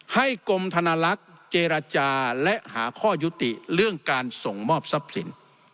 กรมธนลักษณ์เจรจาและหาข้อยุติเรื่องการส่งมอบทรัพย์สิน